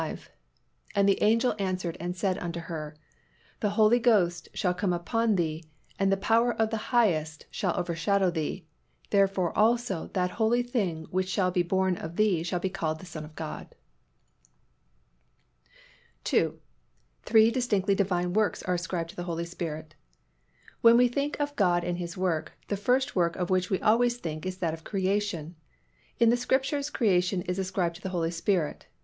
35, "And the angel answered and said unto her, The Holy Ghost shall come upon thee, and the power of the Highest shall overshadow thee: therefore also that holy thing which shall be born of thee shall be called the Son of God." II. Three distinctively Divine works are ascribed to the Holy Spirit. When we think of God and His work, the first work of which we always think is that of creation. In the Scriptures creation is ascribed to the Holy Spirit.